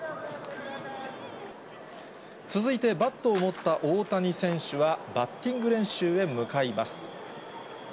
続いてバットを持った大谷選手は、バッティング練習へ向かいます。